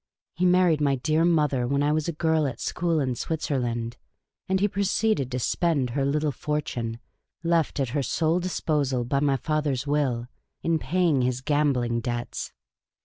He married my dear mother when I was a girl at school in Switzerland ; and he proceeded to spend her little fortune, left at her sole dis posal by my father's will, in paying his gambling debts.